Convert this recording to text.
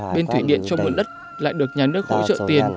bên thủy điện trong nguồn đất lại được nhà nước hỗ trợ tiền